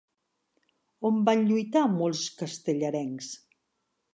On van lluitar molts castellarencs?